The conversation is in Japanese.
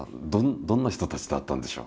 どんな人たちだったんでしょう？